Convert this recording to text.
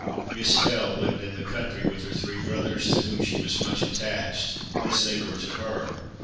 Miss L—— lived in the country with her three brothers, to whom she was much attached, as they were to her.